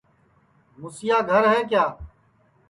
موسیا گھر ہے کیا